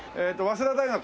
早稲田大学。